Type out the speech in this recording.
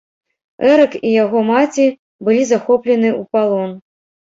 Эрык і яго маці былі захоплены ў палон.